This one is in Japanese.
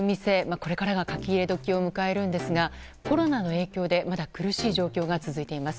これからが書き入れ時を迎えるんですがコロナの影響でまだ苦しい状況が続いています。